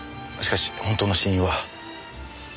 しかし本当の死因は。